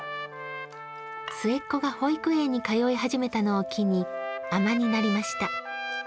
末っ子が保育園に通い始めたのを機に海女になりました。